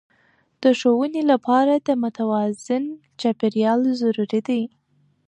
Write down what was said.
د ښوونې لپاره د متوازن چاپیریال ضروري دی.